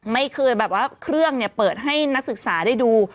ไม่เคยแบบว่าเครื่องเปิดให้นักศึกษาได้ดู